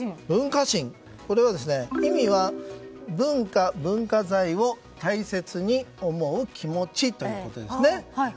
これは、意味は文化財を大切に思う気持ちということですね。